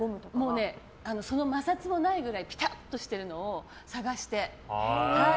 その摩擦もないぐらいピタッとしてるのを探して。